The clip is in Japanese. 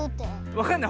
わかんない？